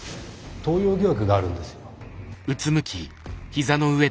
盗用疑惑があるんですよ。